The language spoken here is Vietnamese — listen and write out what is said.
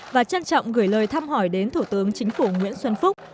và trân trọng gửi lời thăm hỏi đến thủ tướng chính phủ nguyễn xuân phúc